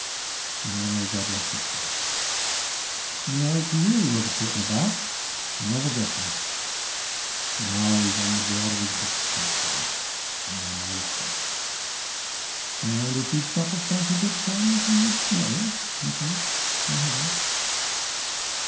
Now may God rest his spirit! Near eighty year he was afoot and about, and ever getting; but now he's on the broad of his back, poor shrew, and no more lacketh; and if his chattels came to a good friend, he would be merrier, methinks, in heaven."